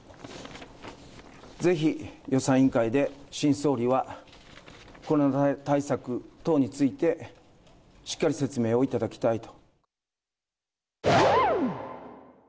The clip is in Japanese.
ぜひ予算委員会で新総理は、コロナ対策等について、しっかり説明をいただきたいと。